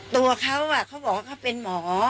ตัวเขาเขาบอกว่าเขาเป็นหมอ